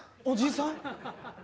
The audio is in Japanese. おじさん？